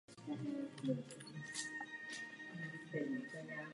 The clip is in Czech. Vypadá to tak, že samotné orgány zůstávají dost pasivní.